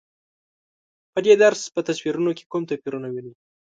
په دې درس په تصویرونو کې کوم توپیرونه وینئ؟